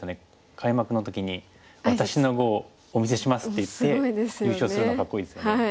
開幕の時に「私の碁をお見せします」って言って優勝するのかっこいいですよね。